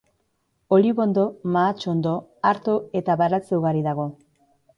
Olibondo, mahatsondo, arto eta baratze ugari dago.